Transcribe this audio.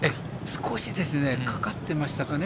少しかかってましたかね。